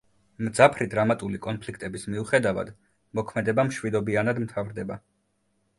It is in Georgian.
მძაფრი დრამატული კონფლიქტების მიუხედავად, მოქმედება მშვიდობიანად მთავრდება.